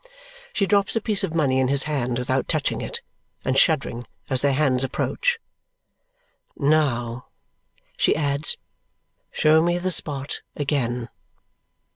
She drops a piece of money in his hand without touching it, and shuddering as their hands approach. "Now," she adds, "show me the spot again!"